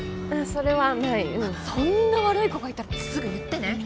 それはないうんそんな悪い子がいたらすぐ言ってね